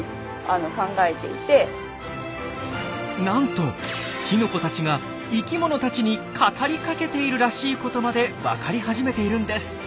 なんときのこたちが生きものたちに語りかけているらしいことまでわかり始めているんです！